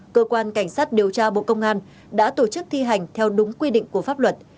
cơ quan cảnh sát điều tra bộ công an đã tổ chức thi hành theo đúng quy định của pháp luật